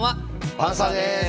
パンサーです。